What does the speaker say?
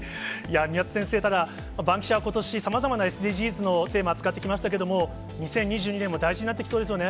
宮田先生、ただ、バンキシャはことし、さまざまなＳＤＧｓのテーマ、扱ってきましたけれども、２０２２年も大事になってきそうですよね。